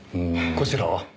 こちらは？